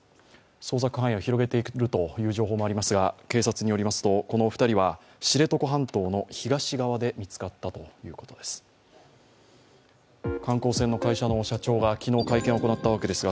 捜索範囲を広げているという情報もありますが、警察によりますとこのお二人は知床半島の東側で見つかったということです。